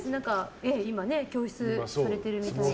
今ね、教室されてるみたいで。